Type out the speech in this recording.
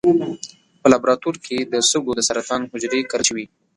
په لابراتوار کې د سږو د سرطان حجرې کرل شوي.